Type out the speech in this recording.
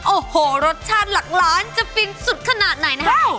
โอ้โหรสชาติหลักล้านจะฟินสุดขนาดไหนนะครับ